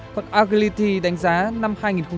phần agility đánh giá năm hai nghìn hai mươi hai